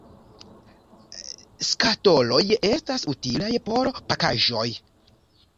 Skatoloj estas utilaj por pakaĵoj.